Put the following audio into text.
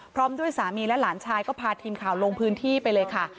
พร้อมด้วยสามีและหลานชายก็พาทีมข่าวลงพื้นที่ไปเลยค่ะ